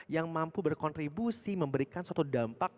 yang mampu berkontribusi memberikan suatu dampak